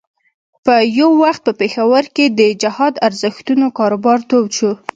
یو وخت په پېښور کې د جهاد ارزښتونو کاروبار تود شو.